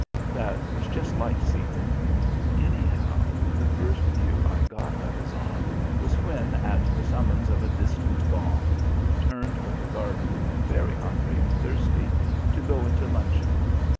That was just like Seaton. Anyhow, the first view I got of his aunt was when, at the summons of a distant gong, we turned from the garden, very hungry and thirsty, to go into luncheon.